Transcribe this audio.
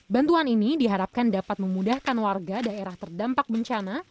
bantuan ini diharapkan dapat memudahkan warga daerah terdampak bencana